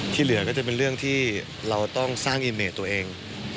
เหลือก็จะเป็นเรื่องที่เราต้องสร้างอินเมตตัวเอง